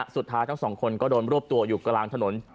ทั้งสองคนก็โดนรวบตัวอยู่กลางถนน